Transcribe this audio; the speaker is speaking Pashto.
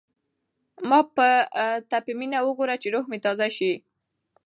ما ته په مینه وګوره چې روح مې تازه شي.